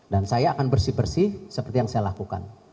dan saya akan bersih bersih seperti yang saya lakukan